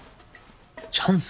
チャンス？